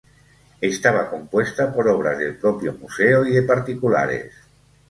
Estaba compuesta por obras del propio Museo y de particulares.